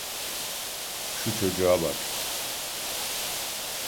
Şu çocuğa bak.